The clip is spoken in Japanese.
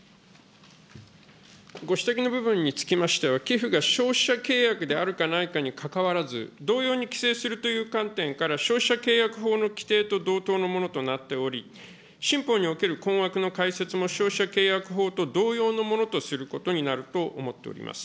ご指摘の部分につきましては、寄付が消費者契約であるかないかにかかわらず、同様に規制するという観点から消費者契約法の規定と同等のものとなっており、新法における困惑の解説も消費者契約法と同様のものとすることになると思っております。